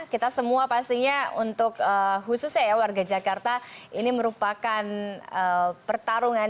kita semua pastinya untuk khususnya ya warga jakarta ini merupakan pertarungan